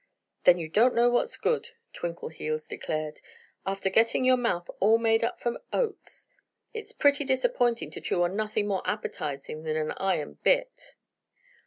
"Then you don't know what's good," Twinkleheels declared. "After getting your mouth all made up for oats, it's pretty disappointing to chew on nothing more appetizing than an iron bit."